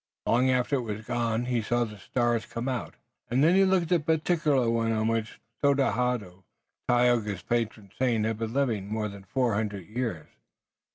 Long after it was gone he saw the stars come out and then he looked at the particular one on which Tododaho, Tayoga's patron saint, had been living more than four hundred years.